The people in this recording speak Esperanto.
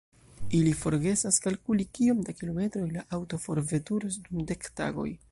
Ili forgesas kalkuli kiom da kilometroj la aŭto forveturos dum dek tagoj.